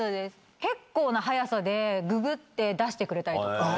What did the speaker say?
結構な早さでググって出してくれたりとか。